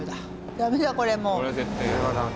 ダメだこりゃもう。